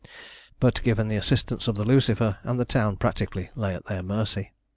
But given the assistance of the Lucifer, and the town practically lay at their mercy.